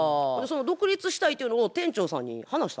独立したいっていうのを店長さんに話した？